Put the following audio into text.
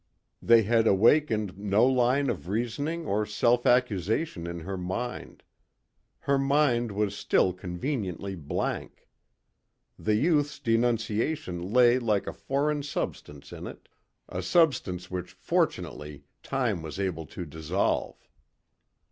They had awakened no line of reasoning or self accusation in her mind. Her mind was still conveniently blank. The youth's denunciation lay like a foreign substance in it, a substance which fortunately time was able to dissolve.